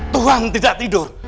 tuhan tidak tidur